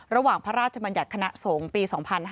ระหว่างพระราชบัญญัติคณะสงฆ์ปี๒๕๐๕